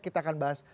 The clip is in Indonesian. kita akan bahas